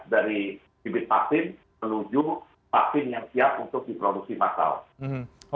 dari bibit vaksin menuju vaksin yang siap untuk diproduksi massal